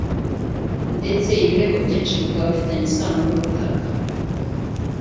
ndetse ibirego byinshi bikaba bifitanye isano n’ubutaka